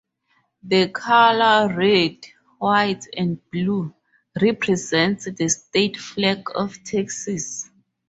The colors-red, white, and blue-represent the state flag of Texas.